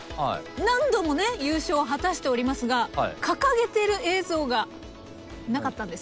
何度もね優勝を果たしておりますが掲げてる映像がなかったんです。